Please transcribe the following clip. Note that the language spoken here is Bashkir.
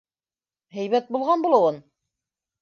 — Һәйбәт булған булыуын.